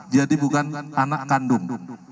jadi bukan anak kandung